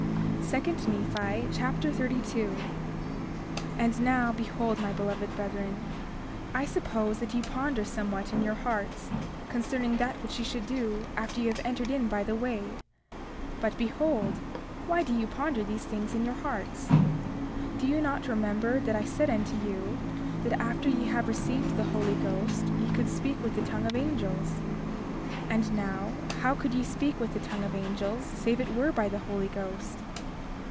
2 Nephi Chapter 32 32:1 And now, behold, my beloved brethren, I suppose that ye ponder somewhat in your hearts concerning that which ye should do after ye have entered in by the way. But, behold, why do ye ponder these things in your hearts? 32:2 Do ye not remember that I said unto you that after ye had received the Holy Ghost ye could speak with the tongue of angels? And now, how could ye speak with the tongue of angels save it were by the Holy Ghost?